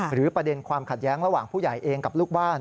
ประเด็นความขัดแย้งระหว่างผู้ใหญ่เองกับลูกบ้าน